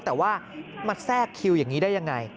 แต่ว่ามาแทรกคิวอย่างนี้ได้ยังไง